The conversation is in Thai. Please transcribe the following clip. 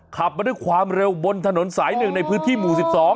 ขับมาด้วยความเร็วบนถนนสาย๑ในพื้นที่หมู่๑๒